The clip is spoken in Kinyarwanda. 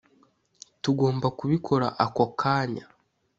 tugomba kubikora ako kanya.